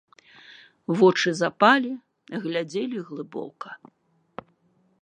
Вочы запалі, глядзелі глыбока.